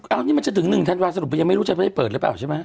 อันนี้มันจะถึง๑ธันวาสรุปมันยังไม่รู้จะไม่ได้เปิดหรือเปล่าใช่ไหม